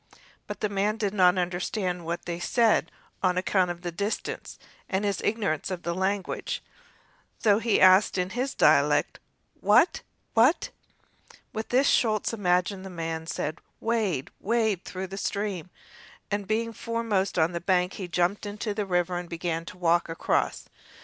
But the man did not understand what they said on account of the distance and his ignorance of their language, and so he asked in his dialect: "Wat? wat?" With this Schulz imagined the man said, "Wade, wade through the stream"; and, being foremost on the bank, he jumped into the river and began to walk across.